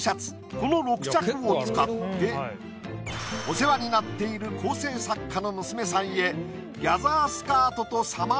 この６着を使ってお世話になっている構成作家の娘さんへ。